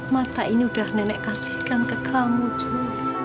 mata ini udah nenek kasihkan ke kamu cuy